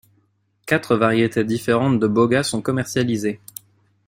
Quatre variétés différentes de Boga sont commercialisées.